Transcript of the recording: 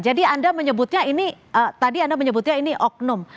jadi anda menyebutnya ini tadi anda menyebutnya ini oknum